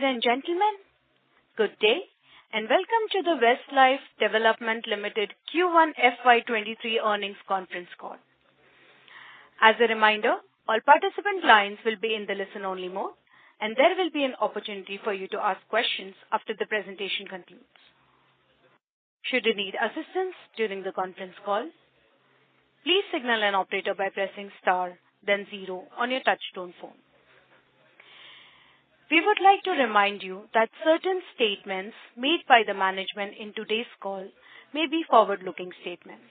Ladies and gentlemen, good day and welcome to the Westlife Foodworld Limited Q1 FY23 earnings conference call. As a reminder, all participant lines will be in the listen-only mode, and there will be an opportunity for you to ask questions after the presentation concludes. Should you need assistance during the conference call, please signal an operator by pressing star then zero on your touchtone phone. We would like to remind you that certain statements made by the management in today's call may be forward-looking statements.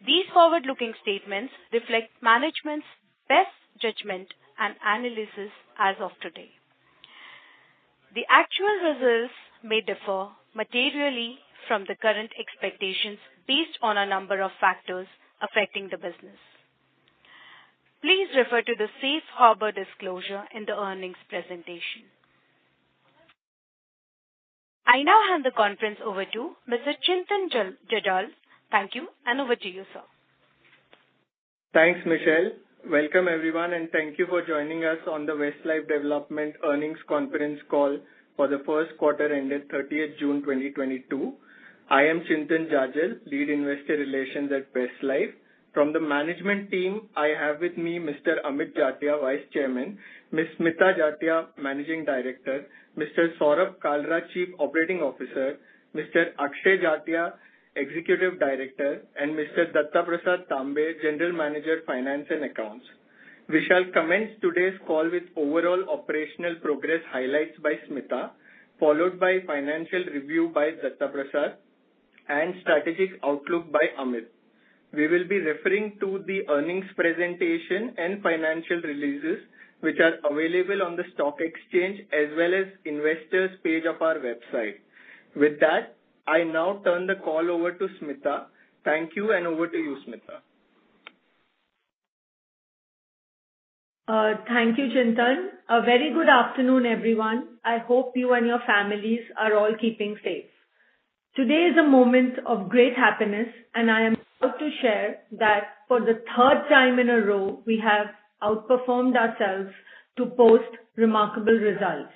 These forward-looking statements reflect management's best judgment and analysis as of today. The actual results may differ materially from the current expectations based on a number of factors affecting the business. Please refer to the Safe Harbor disclosure in the earnings presentation. I now hand the conference over to Mr. Chintan Jajal. Thank you, and over to you, sir. Thanks, Michelle. Welcome, everyone, and thank you for joining us on the Westlife Foodworld earnings conference call for the Q1 ended 30 June 2022. I am Chintan Jadal, Lead Investor Relations at Westlife Foodworld. From the management team, I have with me Mr. Amit Jatia, Vice Chairman, Ms. Smita Jatia, Managing Director, Mr. Saurabh Kalra, Chief Operating Officer, Mr. Akshay Jatia, Executive Director, and Mr. Dattaprasad Tambe, General Manager, Finance and Accounts. We shall commence today's call with overall operational progress highlights by Smita, followed by financial review by Datta Prasad and strategic outlook by Amit. We will be referring to the earnings presentation and financial releases which are available on the stock exchange as well as investors page of our website. With that, I now turn the call over to Smita. Thank you, and over to you, Smita. Thank you, Chintan. A very good afternoon, everyone. I hope you and your families are all keeping safe. Today is a moment of great happiness, and I am proud to share that for the third time in a row, we have outperformed ourselves to post remarkable results.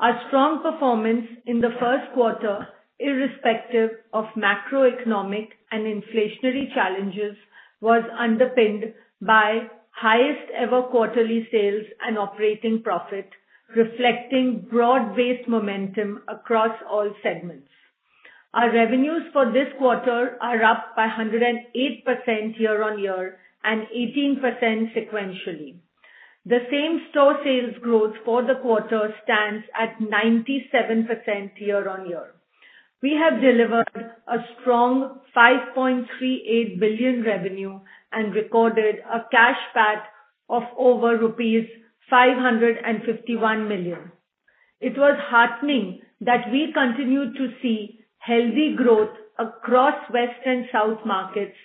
Our strong performance in the Q1, irrespective of macroeconomic and inflationary challenges, was underpinned by highest ever quarterly sales and operating profit, reflecting broad-based momentum across all segments. Our revenues for this quarter are up by 108% year-on-year and 18% sequentially. The same-store sales growth for the quarter stands at 97% year-on-year. We have delivered a strong 5.38 billion revenue and recorded a cash PAT of over rupees 551 million. It was heartening that we continued to see healthy growth across West and South markets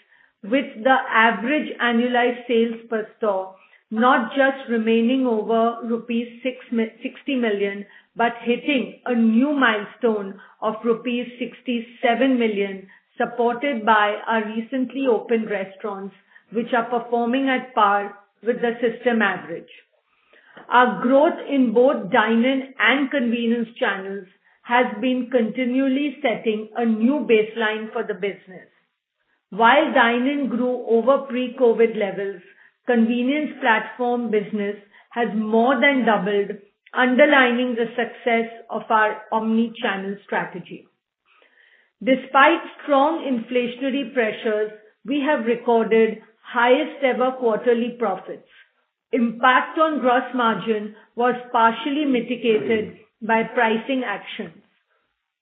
with the average annualized sales per store, not just remaining over rupees 60 million, but hitting a new milestone of rupees 67 million, supported by our recently opened restaurants, which are performing at par with the system average. Our growth in both dine-in and convenience channels has been continually setting a new baseline for the business. While dine-in grew over pre-COVID levels, convenience platform business has more than doubled, underlining the success of our omni-channel strategy. Despite strong inflationary pressures, we have recorded highest ever quarterly profits. Impact on gross margin was partially mitigated by pricing actions.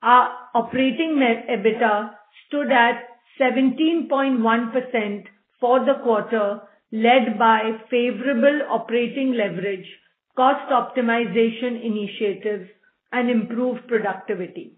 Our operating net EBITDA stood at 17.1% for the quarter, led by favorable operating leverage, cost optimization initiatives, and improved productivity.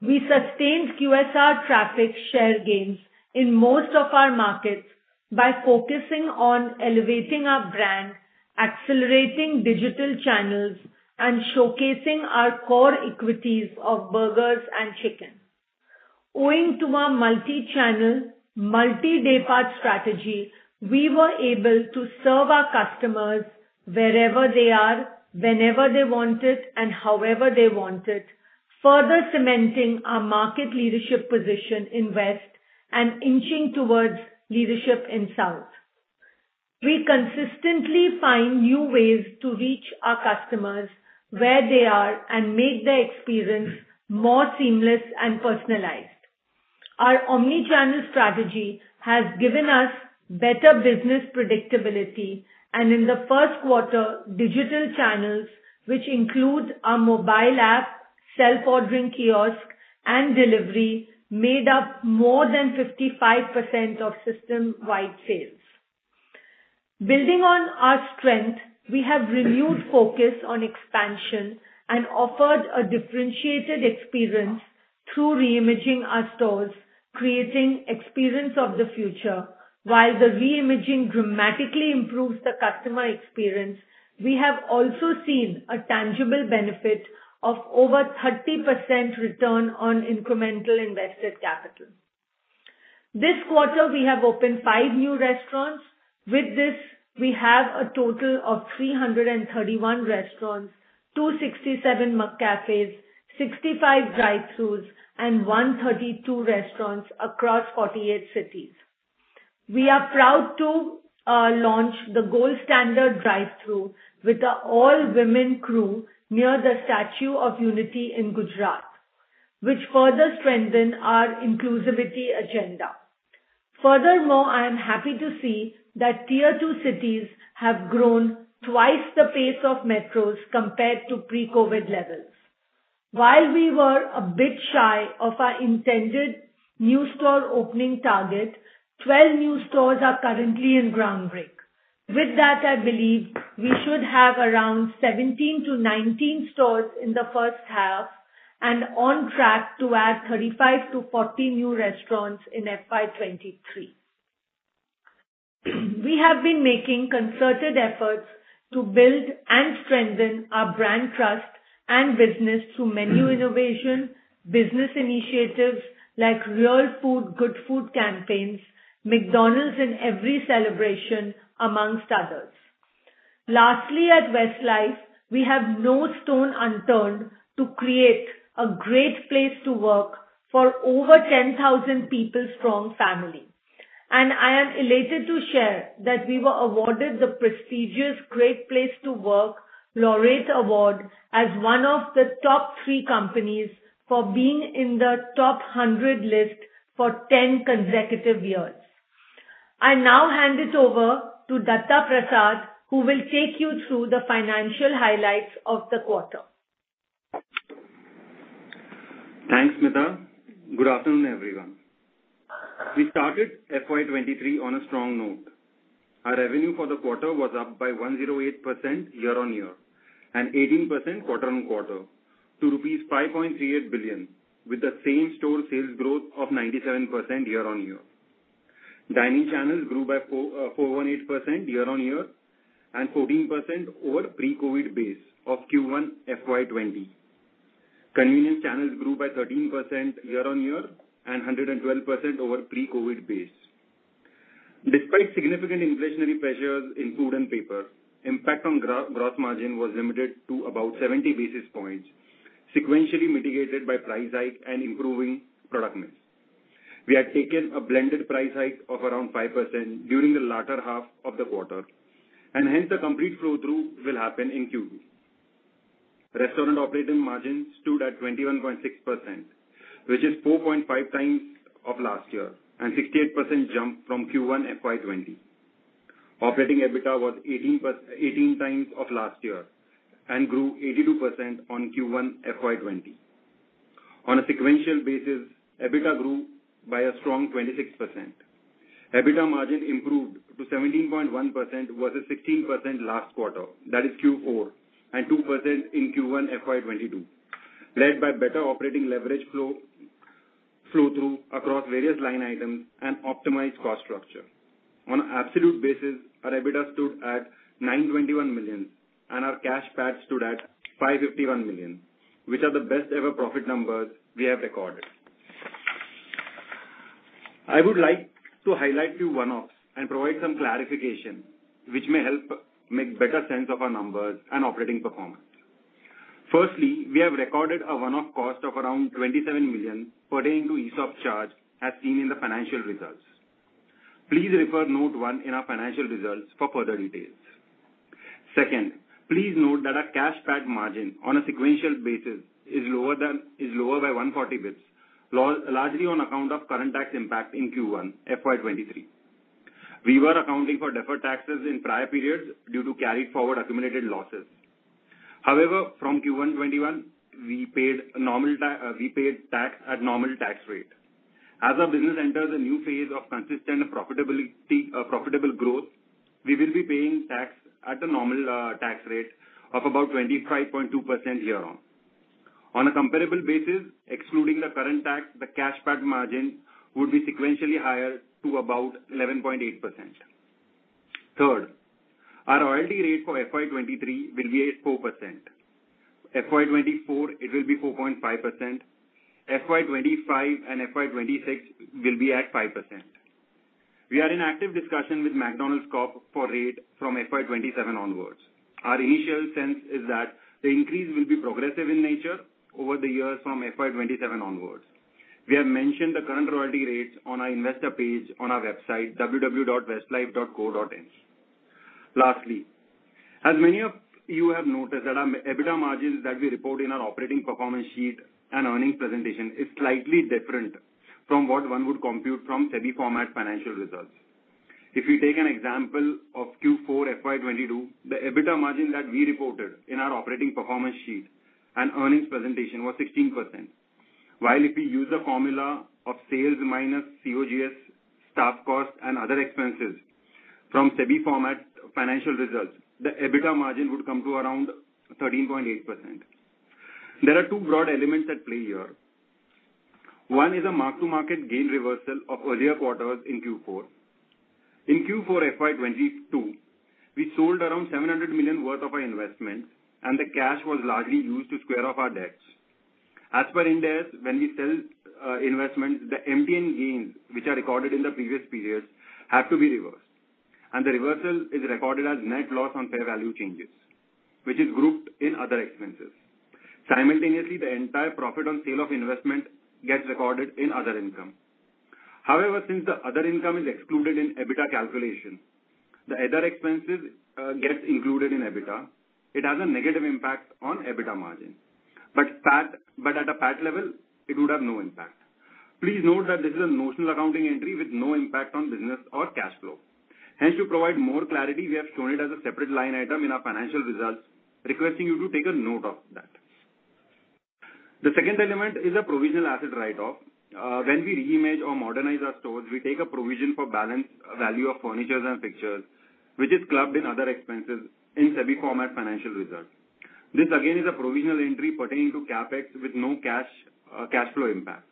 We sustained QSR traffic share gains in most of our markets by focusing on elevating our brand, accelerating digital channels, and showcasing our core equities of burgers and chicken. Owing to our multi-channel, multi-daypart strategy, we were able to serve our customers wherever they are, whenever they want it, and however they want it, further cementing our market leadership position in West and inching towards leadership in South. We consistently find new ways to reach our customers where they are and make their experience more seamless and personalized. Our omni-channel strategy has given us better business predictability. In the Q1, digital channels, which include our mobile app, self-ordering kiosk, and delivery, made up more than 55% of system-wide sales. Building on our strength, we have renewed focus on expansion and offered a differentiated experience through re-imaging our stores, creating Experience of the Future. While the re-imaging dramatically improves the customer experience, we have also seen a tangible benefit of over 30% return on incremental invested capital. This quarter, we have opened five new restaurants. With this, we have a total of 331 restaurants, 267 McCafés, 65 drive-throughs, and 132 restaurants across 48 cities. We are proud to launch the gold standard drive-through with an all-women crew near the Statue of Unity in Gujarat, which further strengthen our inclusivity agenda. Furthermore, I am happy to see that tier two cities have grown twice the pace of metros compared to pre-COVID levels. While we were a bit shy of our intended new store opening target, 12 new stores are currently breaking ground. With that, I believe we should have around 17 to 19 stores in the H1 and on track to add 35 to 40 new restaurants in FY 2023. We have been making concerted efforts to build and strengthen our brand trust and business through menu innovation, business initiatives like Real Food, Good Food campaigns, McDonald's in every celebration, amongst others. Lastly, at Westlife, we have no stone unturned to create a great place to work for over 10,000-people-strong family. I am elated to share that we were awarded the prestigious Great Place to Work Laureate Award as one of the top three companies for being in the top 100 list for 10 consecutive years. I now hand it over to Dattaprasad Tambe, who will take you through the financial highlights of the quarter. Thanks, Smita. Good afternoon, everyone. We started FY 2023 on a strong note. Our revenue for the quarter was up by 108% year-on-year and 18% quarter-on-quarter to rupees 5.38 billion, with the same-store sales growth of 97% year-on-year. Dining channels grew by 418% year-on-year and 14% over pre-COVID base of Q1 FY 2020. Convenience channels grew by 13% year-on-year and 112% over pre-COVID base. Despite significant inflationary pressures in food and paper, impact on gross margin was limited to about 70 basis points, sequentially mitigated by price hike and improving product mix. We have taken a blended price hike of around 5% during the latter half of the quarter, and hence the complete flow-through will happen in Q2. Restaurant operating margins stood at 21.6%, which is 4.5x last year and 68% jump from Q1 FY 2020. Operating EBITDA was 18x last year and grew 82% on Q1 FY 2020. On a sequential basis, EBITDA grew by a strong 26%. EBITDA margin improved to 17.1% versus 16% last quarter, that is Q4, and 2% in Q1 FY 2022, led by better operating leverage flow-through across various line items and optimized cost structure. On an absolute basis, our EBITDA stood at 921 million, and our cash PAT stood at 551 million, which are the best ever profit numbers we have recorded. I would like to highlight few one-offs and provide some clarification, which may help make better sense of our numbers and operating performance. Firstly, we have recorded a one-off cost of around 27 million pertaining to ESOP charge as seen in the financial results. Please refer note 1 in our financial results for further details. Second, please note that our cash PAT margin on a sequential basis is lower by 140 basis points, largely on account of current tax impact in Q1 FY 2023. We were accounting for deferred taxes in prior periods due to carried forward accumulated losses. However, from Q1 2021, we paid tax at normal tax rate. As our business enters a new phase of consistent profitability, profitable growth, we will be paying tax at a normal tax rate of about 25.2% year-on. On a comparable basis, excluding the current tax, the cash PAT margin would be sequentially higher to about 11.8%. Third, our royalty rate for FY 2023 will be at 4%. FY 2024 it will be 4.5%. FY 2025 and FY 2026 will be at 5%. We are in active discussion with McDonald's Corporation for rate from FY 2027 onwards. Our initial sense is that the increase will be progressive in nature over the years from FY 2027 onwards. We have mentioned the current royalty rates on our investor page on our website www.westlifefoodworld.com. Lastly, as many of you have noticed that our EBITDA margins that we report in our operating performance sheet and earnings presentation is slightly different from what one would compute from SEBI format financial results. If you take an example of Q4 FY 2022, the EBITDA margin that we reported in our operating performance sheet and earnings presentation was 16%. While if we use the formula of sales minus COGS, staff cost, and other expenses from SEBI format financial results, the EBITDA margin would come to around 13.8%. There are two broad elements at play here. One is a mark-to-market gain reversal of earlier quarters in Q4. In Q4 FY 2022, we sold around 700 million worth of our investments, and the cash was largely used to square off our debts. As per Ind AS, when we sell investments, the MTM gains which are recorded in the previous periods have to be reversed, and the reversal is recorded as net loss on fair value changes, which is grouped in other expenses. Simultaneously, the entire profit on sale of investment gets recorded in other income. However, since the other income is excluded in EBITDA calculation, the other expenses gets included in EBITDA. It has a negative impact on EBITDA margin. At a PAT level, it would have no impact. Please note that this is a notional accounting entry with no impact on business or cash flow. Hence, to provide more clarity, we have shown it as a separate line item in our financial results, requesting you to take a note of that. The second element is a provisional asset write-off. When we reimage or modernize our stores, we take a provision for book value of furniture and fixtures, which is clubbed in other expenses in SEBI format financial results. This again is a provisional entry pertaining to CapEx with no cash flow impact.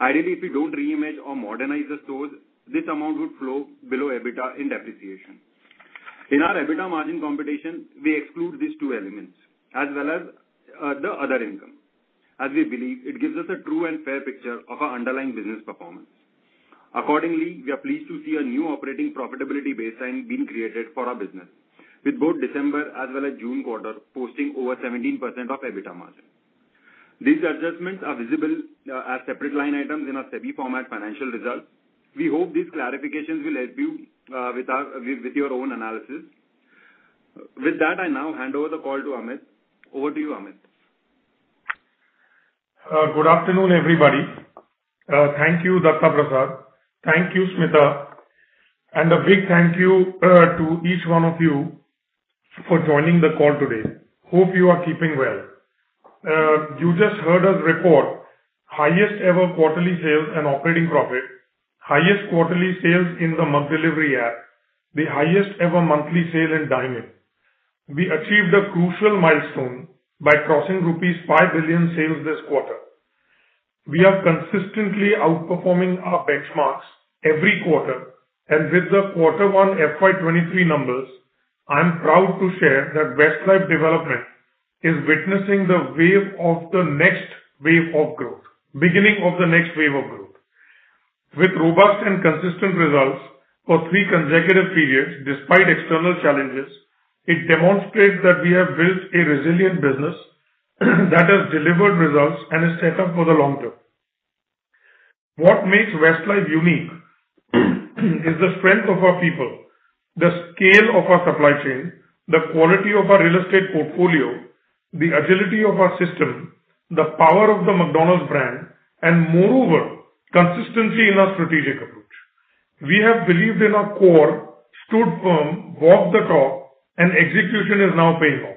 Ideally, if we don't reimage or modernize the stores, this amount would flow below EBITDA in depreciation. In our EBITDA margin computation, we exclude these two elements as well as the other income, as we believe it gives us a true and fair picture of our underlying business performance. Accordingly, we are pleased to see a new operating profitability baseline being created for our business with both December as well as June quarter posting over 17% EBITDA margin. These adjustments are visible as separate line items in our SEBI format financial results. We hope these clarifications will help you with your own analysis. With that, I now hand over the call to Amit. Over to you, Amit. Good afternoon, everybody. Thank you, Dataprasad. Thank you, Smita, and a big thank you to each one of you for joining the call today. Hope you are keeping well. You just heard us report highest ever quarterly sales and operating profit, highest quarterly sales in the McDelivery app, the highest ever monthly sale in dine-in. We achieved a crucial milestone by crossing rupees 5 billion sales this quarter. We are consistently outperforming our benchmarks every quarter. With the quarter one FY 2023 numbers, I am proud to share that Westlife Development is witnessing the wave of the next wave of growth. Beginning of the next wave of growth. With robust and consistent results for three consecutive periods despite external challenges, it demonstrates that we have built a resilient business that has delivered results and is set up for the long term. What makes Westlife unique is the strength of our people, the scale of our supply chain, the quality of our real estate portfolio, the agility of our systems, the power of the McDonald's brand, and moreover, consistency in our strategic approach. We have believed in our core, stood firm, walked the talk, and execution is now paying off.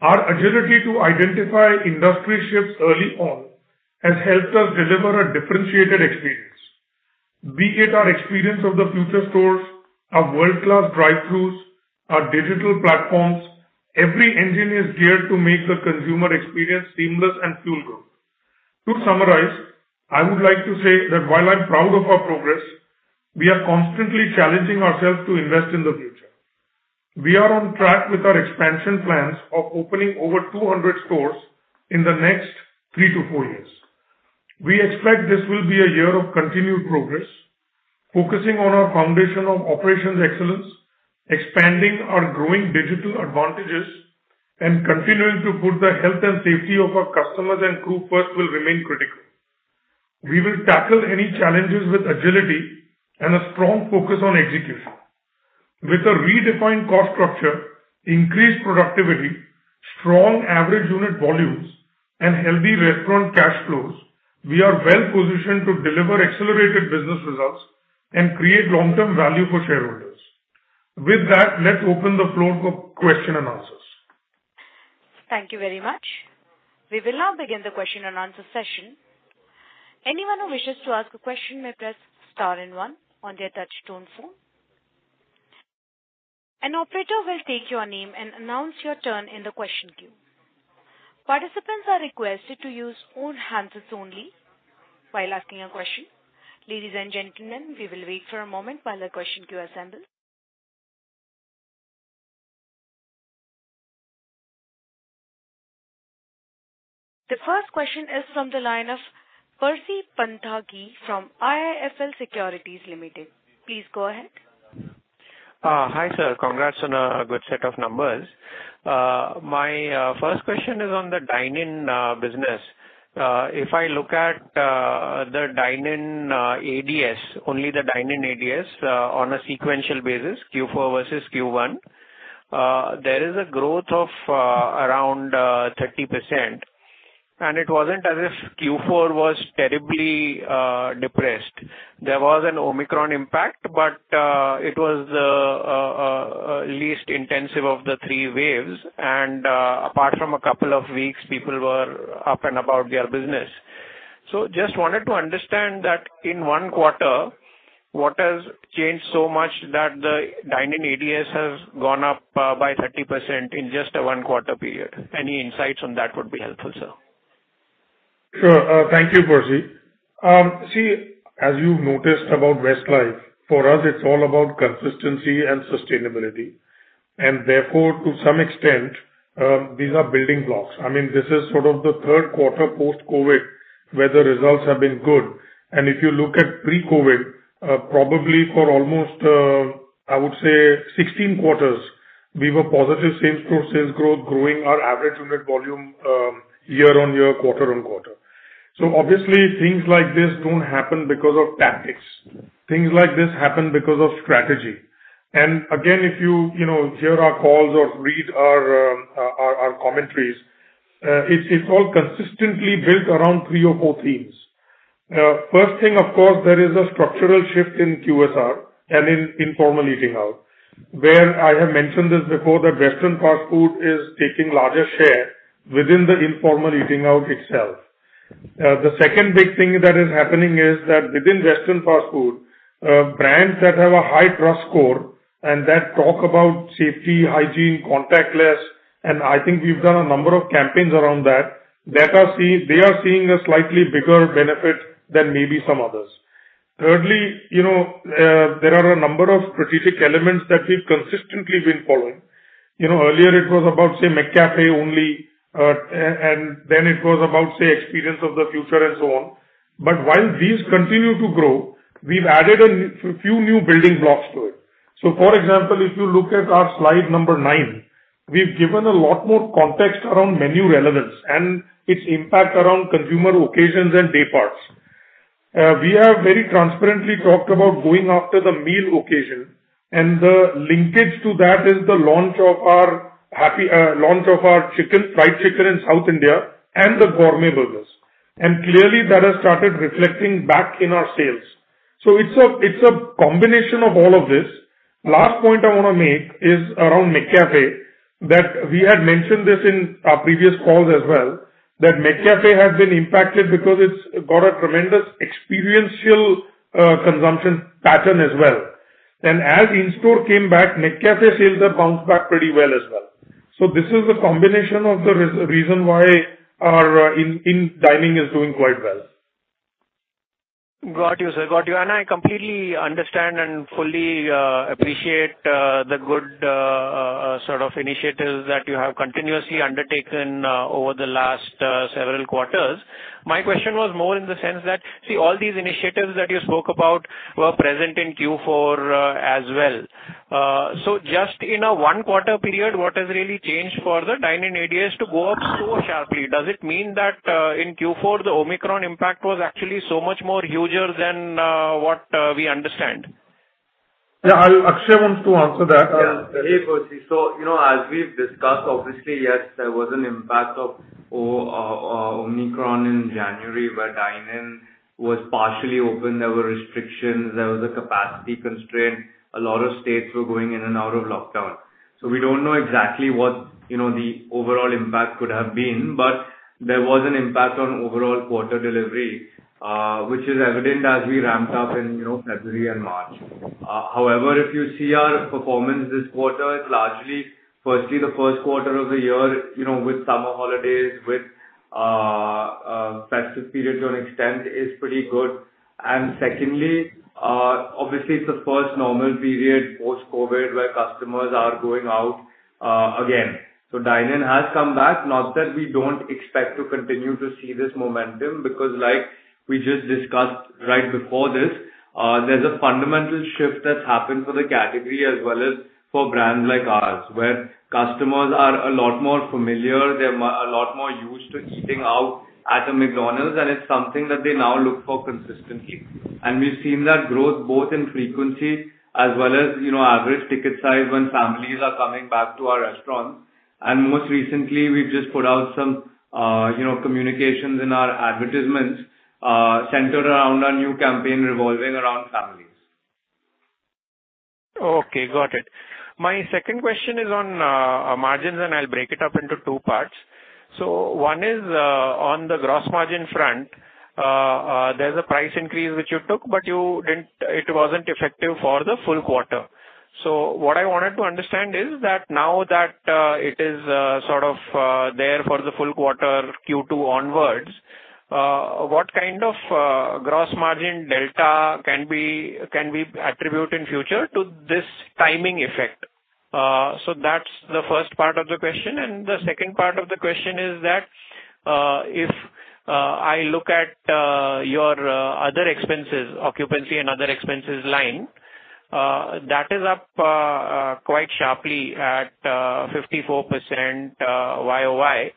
Our agility to identify industry shifts early on has helped us deliver a differentiated experience. Be it our Experience of the Future stores, our world-class drive-thrus, our digital platforms, every engine is geared to make the consumer experience seamless and feel good. To summarize, I would like to say that while I'm proud of our progress, we are constantly challenging ourselves to invest in the future. We are on track with our expansion plans of opening over 200 stores in the next 3 to 4 years. We expect this will be a year of continued progress. Focusing on our foundation of operations excellence, expanding our growing digital advantages, and continuing to put the health and safety of our customers and crew first will remain critical. We will tackle any challenges with agility and a strong focus on execution. With a redefined cost structure, increased productivity, strong average unit volumes, and healthy restaurant cash flows, we are well positioned to deliver accelerated business results and create long-term value for shareholders. With that, let's open the floor for questions and answers. Thank you very much. We will now begin the question and answer session. Anyone who wishes to ask a question may press star and one on their touch tone phone. An operator will take your name and announce your turn in the question queue. Participants are requested to use the handset only while asking a question. Ladies and gentlemen, we will wait for a moment while the question queue assembles. The first question is from the line of Percy Panthaki from IIFL Securities Limited. Please go ahead. Hi, sir. Congrats on a good set of numbers. My first question is on the dine-in business. If I look at the dine-in ADS, only the dine-in ADS, on a sequential basis, Q4 versus Q1, there is a growth of around 30%, and it wasn't as if Q4 was terribly depressed. There was an Omicron impact, but it was the least intensive of the three waves. Apart from a couple of weeks, people were up and about their business. Just wanted to understand that in one quarter, what has changed so much that the dine-in ADS has gone up by 30% in just one quarter period. Any insights on that would be helpful, sir. Sure. Thank you, Percy. See, as you've noticed about Westlife, for us it's all about consistency and sustainability. Therefore, to some extent, these are building blocks. I mean, this is sort of the Q3 post-COVID where the results have been good. If you look at pre-COVID, probably for almost, I would say 16 quarters, we were positive sales growth, sales growth growing our average unit volume, year on year, quarter on quarter. Obviously, things like this don't happen because of tactics. Things like this happen because of strategy. Again, if you know, hear our calls or read our commentaries, it's all consistently built around three or four themes. First thing, of course, there is a structural shift in QSR and in informal eating out, where I have mentioned this before, that restaurant fast food is taking larger share within the informal eating out itself. The second big thing that is happening is that within restaurant fast food, brands that have a high trust score and that talk about safety, hygiene, contactless, and I think we've done a number of campaigns around that they are seeing a slightly bigger benefit than maybe some others. Thirdly, you know, there are a number of strategic elements that we've consistently been following. You know, earlier it was about, say, McCafé only, and then it was about, say, Experience of the Future and so on. But while these continue to grow, we've added a few new building blocks to it. For example, if you look at our slide number 9, we've given a lot more context around menu relevance and its impact around consumer occasions and day parts. We have very transparently talked about going after the meal occasion, and the linkage to that is the launch of our chicken fried chicken in South India and the gourmet burgers. Clearly that has started reflecting back in our sales. It's a combination of all of this. Last point I wanna make is around McCafé, that we had mentioned this in our previous calls as well, that McCafé has been impacted because it's got a tremendous experiential consumption pattern as well. As in-store came back, McCafé sales have bounced back pretty well as well. This is the combination of the reason why our in-dining is doing quite well. Got you, sir. Got you. I completely understand and fully appreciate the good sort of initiatives that you have continuously undertaken over the last several quarters. My question was more in the sense that, see, all these initiatives that you spoke about were present in Q4 as well. Just in a one quarter period, what has really changed for the dine-in ADS to go up so sharply? Does it mean that in Q4 the Omicron impact was actually so much more huger than what we understand? Yeah. Akshay wants to answer that. Yeah. Hey, Percy. You know, as we've discussed, obviously, yes, there was an impact of Omicron in January, where dine-in was partially open. There were restrictions, there was a capacity constraint. A lot of states were going in and out of lockdown. We don't know exactly what, you know, the overall impact could have been, but there was an impact on overall quarter delivery, which is evident as we ramped up in, you know, February and March. However, if you see our performance this quarter, it's largely firstly the Q1 of the year, you know, with summer holidays, with festive periods to an extent, is pretty good. Secondly, obviously it's the first normal period post-COVID, where customers are going out again. Dine-in has come back. Not that we don't expect to continue to see this momentum because like we just discussed right before this, there's a fundamental shift that's happened for the category as well as for brands like ours, where customers are a lot more familiar, they're a lot more used to eating out at a McDonald's, and it's something that they now look for consistently. We've seen that growth both in frequency as well as, you know, average ticket size when families are coming back to our restaurants. Most recently we've just put out some, you know, communications in our advertisements, centered around our new campaign revolving around families. Okay. Got it. My second question is on margins, and I'll break it up into two parts. One is on the gross margin front. There's a price increase which you took, but it wasn't effective for the full quarter. What I wanted to understand is that now that it is sort of there for the full quarter Q2 onwards, what kind of gross margin delta can we attribute in future to this timing effect? That's the first part of the question. The second part of the question is that if I look at your other expenses, occupancy and other expenses line, that is up quite sharply at 54% YOY.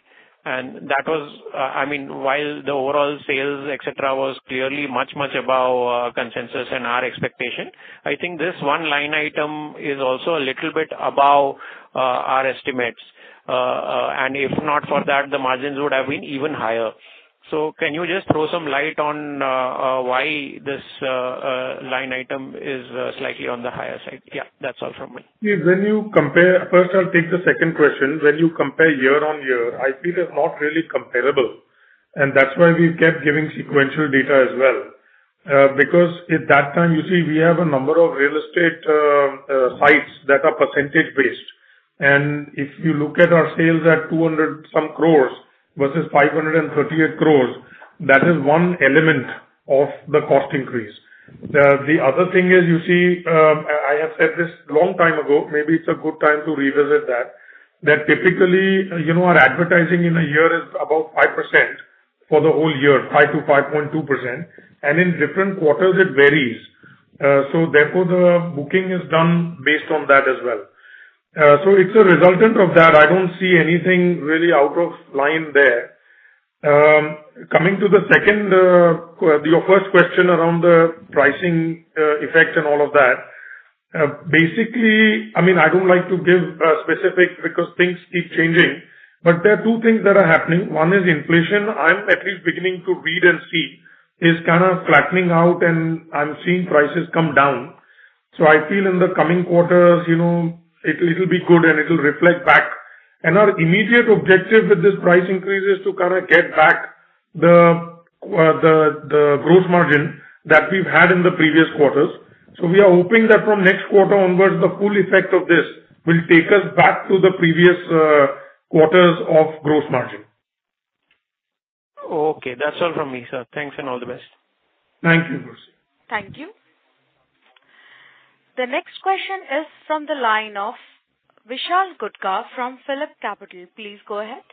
That was, I mean, while the overall sales, et cetera, was clearly much, much above consensus and our expectation, I think this one-line item is also a little bit above our estimates. If not for that, the margins would have been even higher. Can you just throw some light on why this line item is slightly on the higher side? Yeah, that's all from me. Yeah. When you compare. First, I'll take the second question. When you compare year-over-year, I feel it's not really comparable, and that's why we kept giving sequential data as well. Because at that time, you see, we have a number of real estate sites that are percentage based. If you look at our sales at 200-some crores versus 538 crores, that is one element of the cost increase. The other thing is, you see, I have said this long time ago, maybe it's a good time to revisit that typically, you know, our advertising in a year is about 5% for the whole year, 5 to 5.2%, and in different quarters it varies. So therefore, the booking is done based on that as well. So it's a resultant of that. I don't see anything really out of line there. Coming to the second, your first question around the pricing effect and all of that. Basically, I mean, I don't like to give specific because things keep changing, but there are two things that are happening. One is inflation. I'm at least beginning to read and see it's kind of flattening out and I'm seeing prices come down. I feel in the coming quarters, you know, it'll be good, and it'll reflect back. Our immediate objective with this price increase is to kind a get back the gross margin that we've had in the previous quarters. We are hoping that from next quarter onwards, the full effect of this will take us back to the previous quarters of gross margin. Okay. That's all from me, sir. Thanks, and all the best. Thank you, Percy Panthaki. Thank you. The next question is from the line of Vishal Gutka from PhillipCapital. Please go ahead.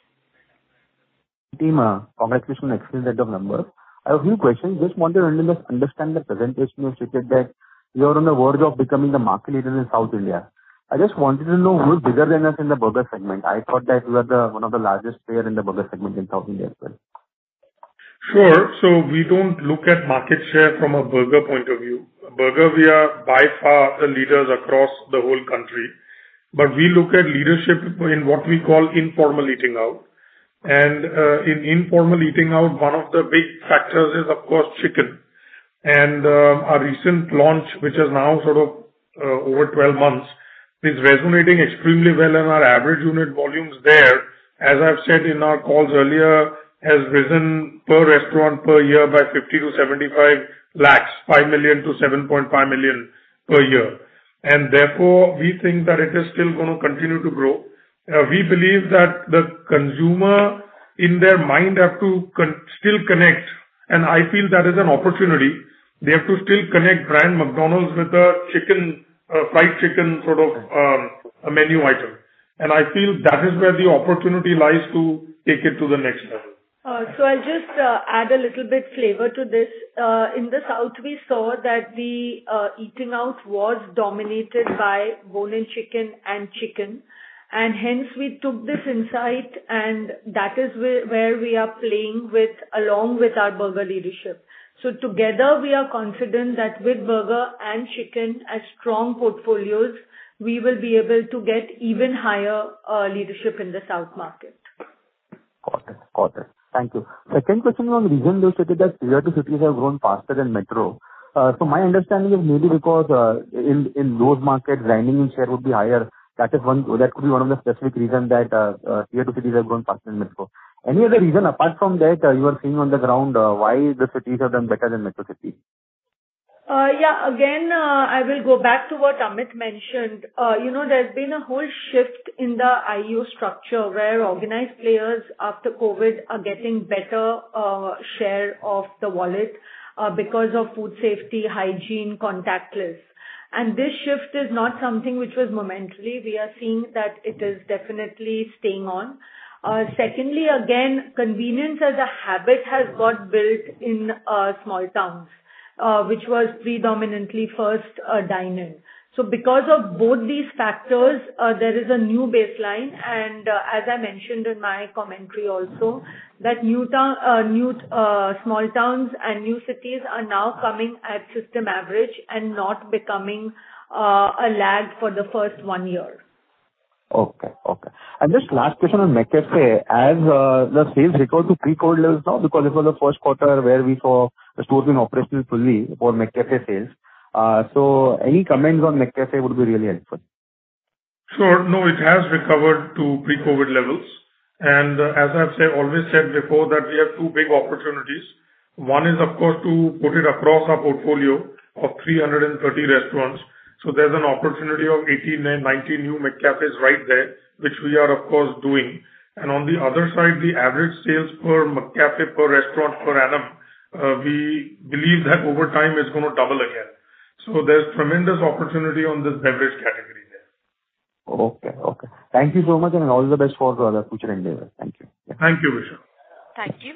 Team, congratulations on excellent set of numbers. I have a few questions. Just wanted to understand the presentation. You stated that you are on the verge of becoming the market leader in South India. I just wanted to know who is bigger than us in the burger segment. I thought that we are one of the largest player in the burger segment in South India as well. Sure. We don't look at market share from a burger point of view. Burger, we are by far the leaders across the whole country. We look at leadership in what we call informal eating out. In informal eating out, one of the big factors is, of course, chicken. Our recent launch, which is now sort of over 12 months, is resonating extremely well in our average unit volumes there, as I've said in our calls earlier, has risen per restaurant per year by 50 to 75 lakhs, 5 to 7.5 million per year. Therefore, we think that it is still gonna continue to grow. We believe that the consumer, in their mind, have to still connect, and I feel that is an opportunity. They have to still connect brand McDonald's with a chicken, fried chicken sort of, a menu item. I feel that is where the opportunity lies to take it to the next level. I'll just add a little bit flavor to this. In the South, we saw that the eating out was dominated by bone-in chicken and chicken, and hence we took this insight, and that is where we are playing with, along with our burger leadership. Together, we are confident that with burger and chicken as strong portfolios, we will be able to get even higher leadership in the South market. Got it. Thank you. Second question on region, you stated that tier-2 cities have grown faster than metro. My understanding is maybe because in those markets dine-in share would be higher. That is one, that could be one of the specific reason that tier-2 cities have grown faster than metro. Any other reason apart from that, you are seeing on the ground, why the cities have done better than metro cities? Again, I will go back to what Amit mentioned. You know, there's been a whole shift in the IEO structure where organized players after COVID are getting better share of the wallet because of food safety, hygiene, contactless. This shift is not something which was momentarily. We are seeing that it is definitely staying on. Secondly, again, convenience as a habit has got built in small towns which was predominantly first dine-in. Because of both these factors, there is a new baseline, and as I mentioned in my commentary also, new small towns and new cities are now coming at system average and not becoming a lag for the first one year. Okay. Just last question on McCafé. As the sales recover to pre-COVID levels now because this was the Q1 where we saw the stores in operation fully for McCafé sales. Any comments on McCafé would be really helpful. Sure. No, it has recovered to pre-COVID levels. As I've said, always said before, that we have two big opportunities. One is, of course, to put it across our portfolio of 330 restaurants. So there's an opportunity of 89-90 new McCafés right there, which we are of course doing. On the other side, the average sales per McCafé, per restaurant, per annum, we believe that over time it's gonna double again. So there's tremendous opportunity on this beverage category there. Okay. Thank you so much, and all the best for the future endeavors. Thank you. Thank you, Vishal. Thank you.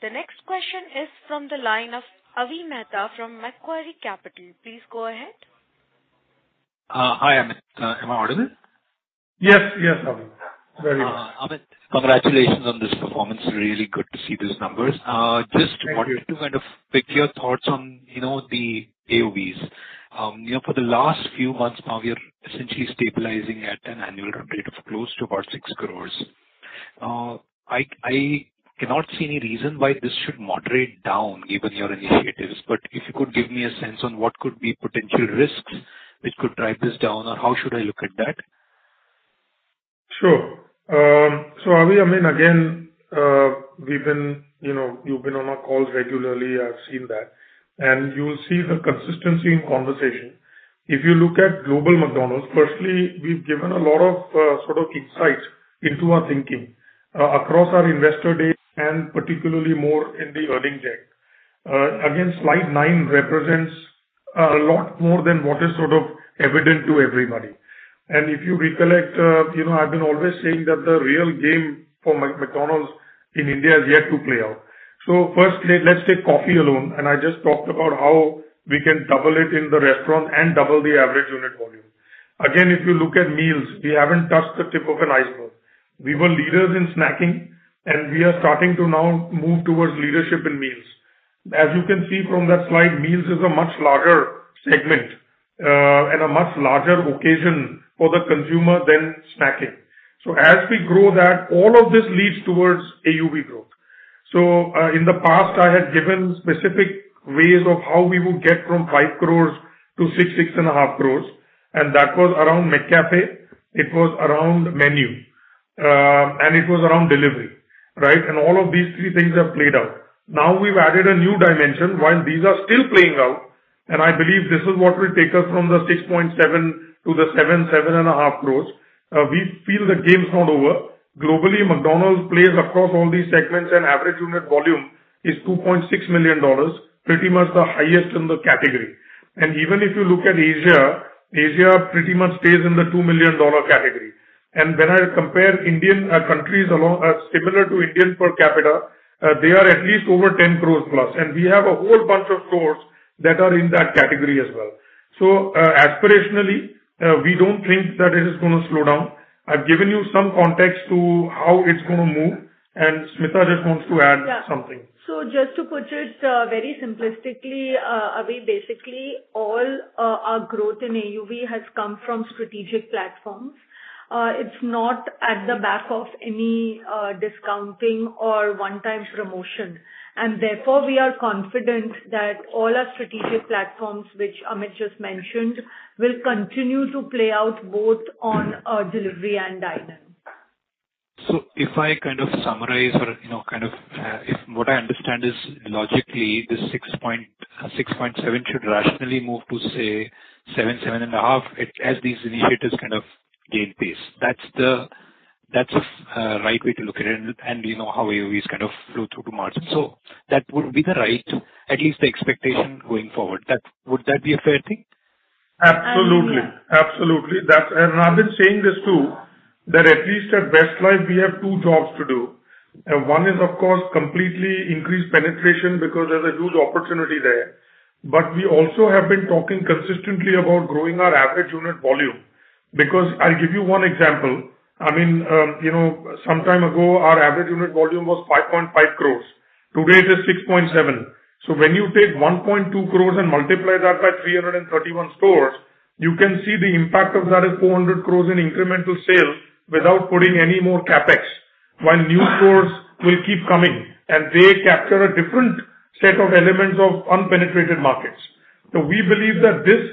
The next question is from the line of Avi Mehta from Macquarie Capital. Please go ahead. Hi, Amit. Am I audible? Yes. Yes, Avi. Very well. Amit, congratulations on this performance. Really good to see these numbers. Thank you. Just wanted to kind of pick your thoughts on, you know, the AOVs. You know, for the last few months now, we are essentially stabilizing at an annual run rate of close to about 6 crores. I cannot see any reason why this should moderate down given your initiatives. If you could give me a sense on what could be potential risks which could drive this down, or how should I look at that? Sure. Avi, I mean, again, we've been, you know, you've been on our calls regularly. I've seen that. You will see the consistency in conversation. If you look at global McDonald's, firstly, we've given a lot of sort of insights into our thinking across our investor days, and particularly more in the earnings deck. Again, slide nine represents a lot more than what is sort of evident to everybody. If you recollect, you know, I've been always saying that the real game for McDonald's in India is yet to play out. Firstly, let's take coffee alone, and I just talked about how we can double it in the restaurant and double the average unit volume. Again, if you look at meals, we haven't touched the tip of the iceberg. We were leaders in snacking, and we are starting to now move towards leadership in meals. As you can see from that slide, meals is a much larger segment, and a much larger occasion for the consumer than snacking. As we grow that, all of this leads towards AUV growth. In the past, I had given specific ways of how we would get from 5 crores to 6 crores, 6.5 crores, and that was around McCafé, it was around menu, and it was around delivery, right? All of these three things have played out. Now we've added a new dimension while these are still playing out, and I believe this is what will take us from the 6.7 crores to the 7 crores, 7.5 crores. We feel the game's not over. Globally, McDonald's plays across all these segments, and average unit volume is $2.6 million, pretty much the highest in the category. Even if you look at Asia pretty much stays in the $2 million category. When I compare countries similar to Indian per capita, they are at least over 10 crore plus. We have a whole bunch of stores that are in that category as well. Aspirationally, we don't think that it is gonna slow down. I've given you some context to how it's gonna move, and Smita just wants to add something. Yeah. Just to put it very simplistically, Avi, basically all our growth in AUV has come from strategic platforms. It's not on the back of any discounting or one-time promotion. Therefore, we are confident that all our strategic platforms, which Amit just mentioned, will continue to play out both on delivery and dine-in. If I kind of summarize or, you know, kind of, if what I understand is logically this 6.7 should rationally move to 7-7.5 as these initiatives kind of gain pace. That's the right way to look at it and you know, how AUVs kind of flow through to margin. That would be the right, at least the expectation going forward. Would that be a fair thing? Absolutely. I mean, yeah. Absolutely. I've been saying this too, that at least at Westlife we have two jobs to do. One is of course completely increase penetration because there's a huge opportunity there. We also have been talking consistently about growing our average unit volume. Because I'll give you one example. I mean, you know, some time ago our average unit volume was 5.5 crores. Today it is 6.7 crores. When you take 1.2 crores and multiply that by 331 stores, you can see the impact of that is 400 crores in incremental sales without putting any more CapEx, while new stores will keep coming, and they capture a different set of elements of unpenetrated markets. We believe that this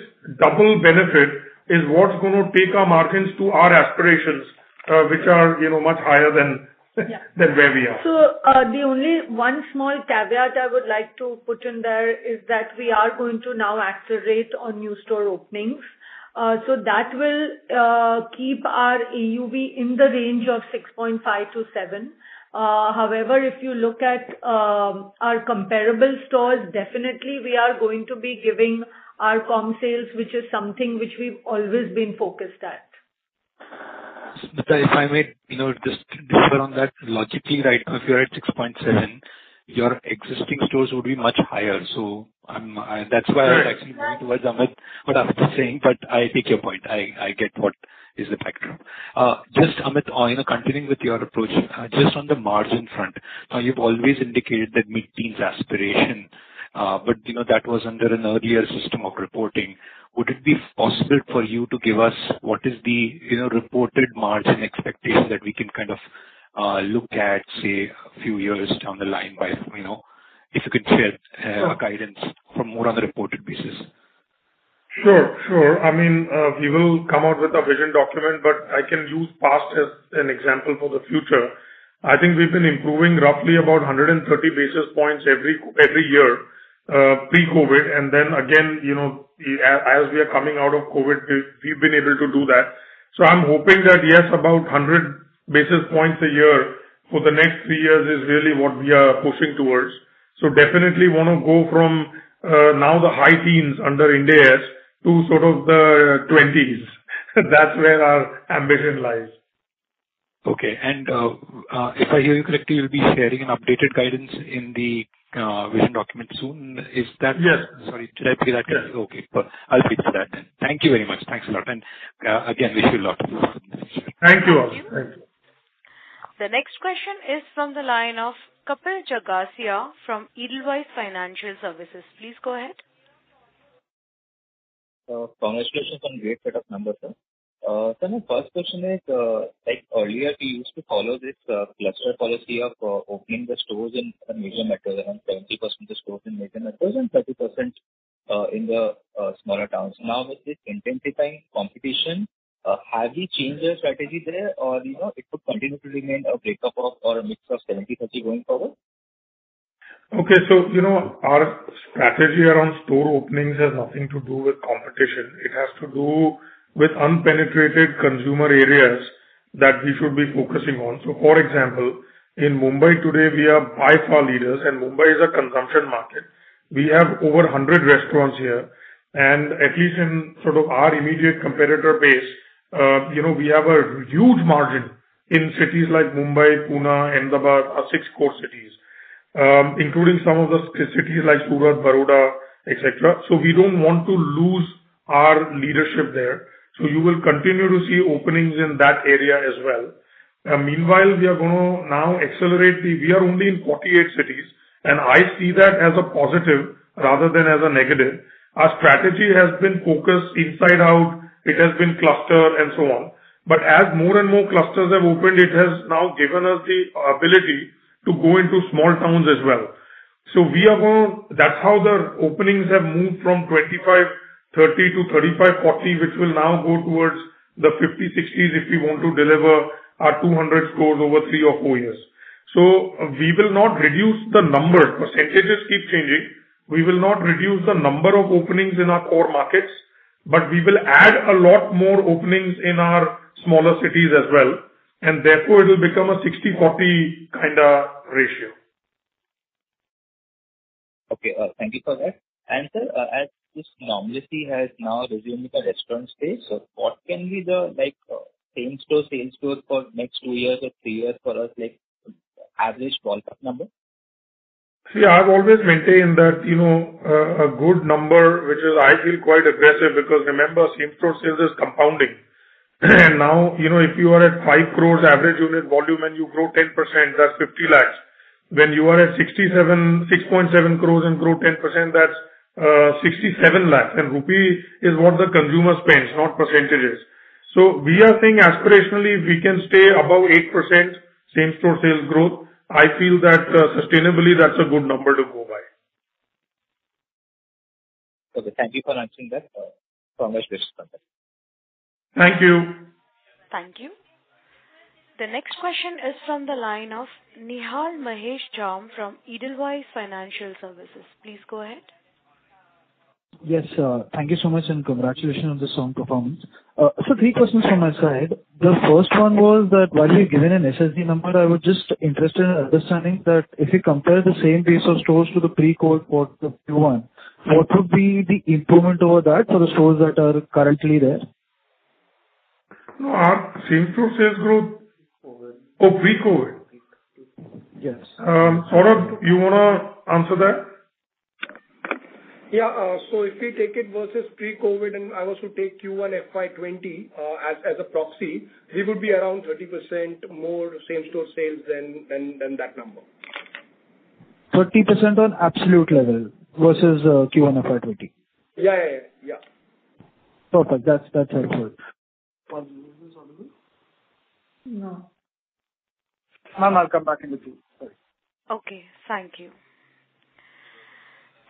double benefit is what's gonna take our margins to our aspirations, which are, you know, much higher than Yeah. than where we are. The only one small caveat I would like to put in there is that we are going to now accelerate on new store openings. That will keep our AUV in the range of $6.5 to 7. However, if you look at our comparable stores, definitely we are going to be giving our comp sales, which is something which we've always been focused at. Smita, if I may, you know, just differ on that. Logically, right now, if you're at 6.7%, your existing stores would be much higher. That's why I was actually nodding towards what Amit is saying. I take your point. I get what the factor is. Just Amit, you know, continuing with your approach, just on the margin front, you've always indicated that mid-teens aspiration, but you know, that was under an earlier system of reporting. Would it be possible for you to give us what the reported margin expectation is that we can kind of look at, say, a few years down the line, you know, if you could share a guidance for more on the reported basis? Sure, sure. I mean, we will come out with a vision document, but I can use past as an example for the future. I think we've been improving roughly about 130 basis points every year, pre-COVID. Again, you know, as we are coming out of COVID, we've been able to do that. I'm hoping that, yes, about 100 basis points a year for the next 3 years is really what we are pushing towards. Definitely wanna go from, now the high teens under Ind AS to sort of the twenties. That's where our ambition lies. Okay. If I hear you correctly, you'll be sharing an updated guidance in the vision document soon. Is that- Yes. Sorry, did I hear that correctly? Yes. Okay, perfect. I'll wait for that then. Thank you very much. Thanks a lot. Again, wish you luck. Thank you, Avi. Thank you. Thank you. The next question is from the line of Kapil Jagasia from Edelweiss Financial Services. Please go ahead. Congratulations on great set of numbers, sir. Sir, my first question is, like earlier you used to follow this cluster policy of opening the stores in major metros. Around 70% of stores in major metros and 30% in the smaller towns. Now with this intensifying competition, have you changed your strategy there or, you know, it could continue to remain a breakup of or a mix of 70/30 going forward? Okay. You know, our strategy around store openings has nothing to do with competition. It has to do with unpenetrated consumer areas that we should be focusing on. For example, in Mumbai today we are by far leaders and Mumbai is a consumption market. We have over 100 restaurants here and at least in sort of our immediate competitor base, you know, we have a huge margin in cities like Mumbai, Pune, Ahmedabad, our six core cities. Including some of the cities like Surat, Baroda, et cetera. We don't want to lose our leadership there. You will continue to see openings in that area as well. Meanwhile, we are gonna now accelerate. We are only in 48 cities, and I see that as a positive rather than as a negative. Our strategy has been focused inside out. It has been clustered and so on. As more and more clusters have opened, it has now given us the ability to go into small towns as well. That's how the openings have moved from 25, 30 to 35, 40, which will now go towards the 50, 60s if we want to deliver our 200 stores over 3 or 4 years. We will not reduce the number. Percentages keep changing. We will not reduce the number of openings in our core markets, but we will add a lot more openings in our smaller cities as well, and therefore it'll become a 60/40 kind a ratio. Okay. Thank you for that. Sir, as this normalcy has now resumed in the restaurant space, what can be the like, same-store sales growth for next two years or three years for us, like average ballpark number? See, I've always maintained that, you know, a good number, which is I feel quite aggressive because remember, same-store sales is compounding. Now, you know, if you are at 5 crore average unit volume and you grow 10%, that's 50 lakh. When you are at 67.67 crore and grow 10%, that's sixty-seven lakhs. Rupee is what the consumer spends, not percentages. We are saying aspirationally we can stay above 8% same-store sales growth. I feel that sustainably that's a good number to go by. Okay. Thank you for answering that. Pramesh with you, sir. Thank you. Thank you. The next question is from the line of Nihal Mahesh Jham from Edelweiss Financial Services. Please go ahead. Yes, thank you so much, and congratulations on the strong performance. Three questions from my side. The first one was that while we're given an SSSG number, I was just interested in understanding that if you compare the same base of stores to the pre-COVID Q1, what would be the improvement over that for the stores that are currently there? No, our same-store sales growth. Pre-COVID. Oh, pre-COVID. Yes. Saurabh, you wanna answer that? If we take it versus pre-COVID, and I also take Q1 FY20 as a proxy, we would be around 30% more same-store sales than that number. 30% on absolute level versus Q1 FY20. Yeah. Perfect. That's helpful. Pardon me. Is this audible? No. Ma'am, I'll come back in with you. Sorry. Okay, thank you.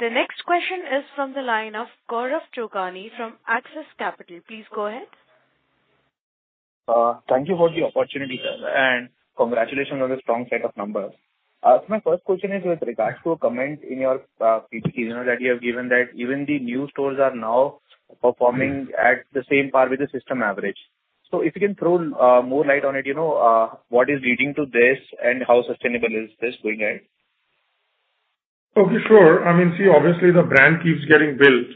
The next question is from the line of Gaurav Jogani from Axis Capital. Please go ahead. Thank you for the opportunity, sir, and congratulations on the strong set of numbers. My first question is with regards to a comment in your PT that you have given that even the new stores are now performing at the same par with the system average. If you can throw more light on it, you know, what is leading to this and how sustainable is this going ahead? Okay, sure. I mean, see, obviously the brand keeps getting built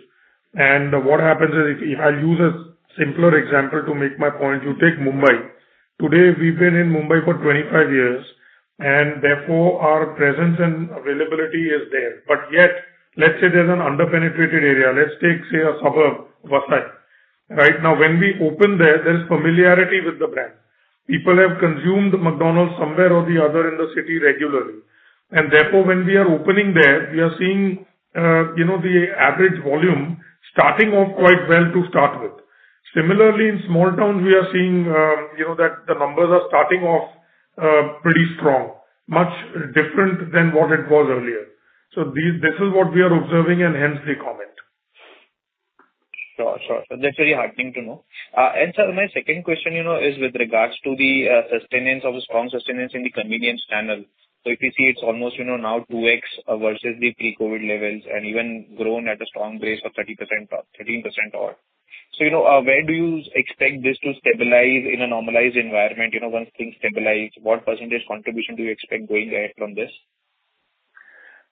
and what happens is if I use a simpler example to make my point, you take Mumbai. Today, we've been in Mumbai for 25 years and therefore our presence and availability is there. Yet, let's say there's an under-penetrated area. Let's take, say, a suburb, Vasai. Right now, when we open there is familiarity with the brand. People have consumed McDonald's somewhere or the other in the city regularly. Therefore, when we are opening there, we are seeing, you know, the average volume starting off quite well to start with. Similarly, in small towns we are seeing, you know, that the numbers are starting off pretty strong, much different than what it was earlier. These, this is what we are observing and hence the comment. Sure, sure. That's very heartening to know. Sir, my second question, you know, is with regards to the sustenance of the strong sustenance in the convenience channel. If you see, it's almost, you know, now 2x versus the pre-COVID levels and even grown at a strong base of 30% or 13% or so. You know, where do you expect this to stabilize in a normalized environment? You know, once things stabilize, what percentage contribution do you expect going ahead from this?